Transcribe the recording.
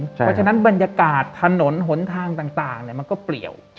เพราะฉะนั้นบรรยากาศถนนหนทางต่างมันก็เปลี่ยว